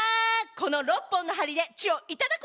この６本の針で血を頂くわよ。